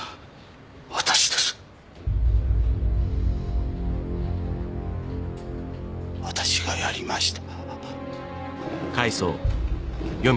私がやりました